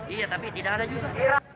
iya tapi tidak ada juga